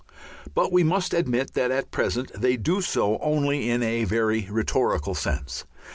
But we must admit that at present they do so only in a very rhetorical sense.